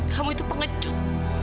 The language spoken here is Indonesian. kamu itu pengecut